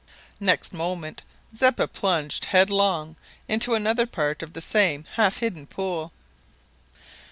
Next moment Zeppa plunged headlong into another part of the same half hidden pool.